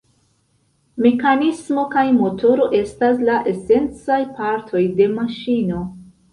Mekanismo kaj motoro estas la esencaj partoj de maŝino.